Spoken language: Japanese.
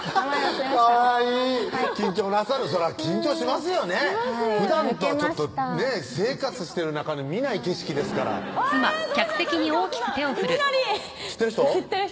かわいい緊張なさるそら緊張しますよねふだんとはちょっとね生活してる中で見ない景色ですからどうしちゃったんですか奥さんいきなり知ってる人？